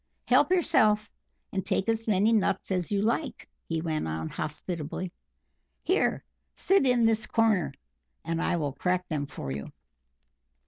Help yourself, and take as many nuts as you like," he went on hospitably. "Here sit in this corner, and I will crack them for you."